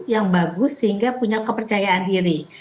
yang bagus sehingga punya kepercayaan diri